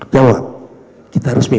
jawab kita resmi